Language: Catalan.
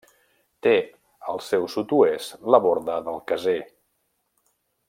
Té al seu sud-oest la Borda del Caser.